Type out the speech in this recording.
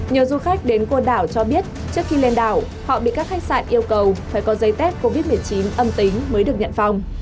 nhờ du khách đến côn đảo cho biết trước khi lên đảo họ bị các khách sạn yêu cầu phải có dây tết covid một mươi chín âm tính mới được nhận phòng